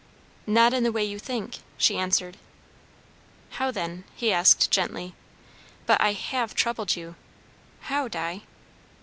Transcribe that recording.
"Not in the way you think," she answered. "How then?" he asked gently. "But I have troubled you. How, Di?"